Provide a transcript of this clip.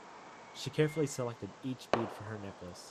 She carefully selected each bead for her necklace.